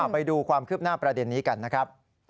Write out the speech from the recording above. ไปดูความคืบหน้าประเด็นนี้กันนะครับ